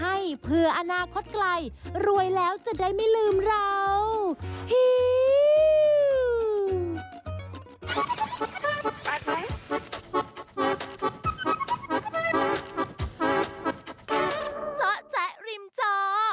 ให้เผื่ออนาคตไกลรวยแล้วจะได้ไม่ลืมเรา